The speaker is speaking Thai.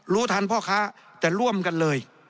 รู้ทันพ่อค้าแต่ร่วมกันเลย